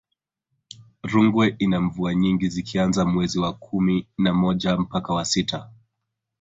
rungwe ina mvua nyingi zikianza mwez wa kumi na moja mpaka wa sita